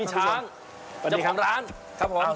พี่ช้างเจ้าของร้าน